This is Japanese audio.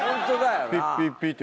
ピッピッピッって。